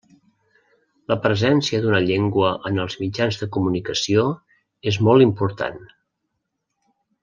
La presència d’una llengua en els mitjans de comunicació és molt important.